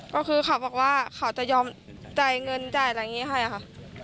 ก็คือเขาบอกว่าเขาจะยอมจ่ายเงินจ่ายอะไรอย่างนี้ให้ค่ะ